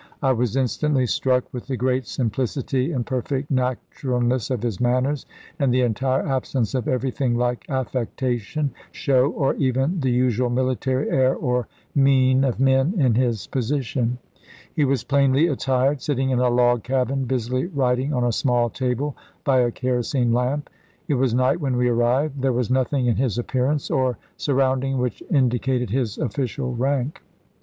" I was in stantly struck with the great simplicity and per fect naturalness of his manners, and the entire absence of everything like affectation, show, or even the usual military air or mien of men in his position. He was plainly attired, sitting in a log cabin, busily writing on a small table, by a kerosene lamp. It was night when we arrived. There was nothing in his appearance or surround ings which indicated his official rank.